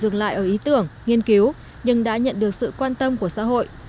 dừng lại ở ý tưởng nghiên cứu nhưng đã nhận được sự quan tâm của xã hội